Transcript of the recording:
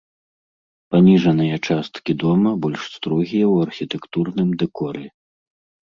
Паніжаныя часткі дома больш строгія ў архітэктурным дэкоры.